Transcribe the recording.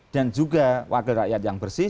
dan juga wakil rakyat yang bersih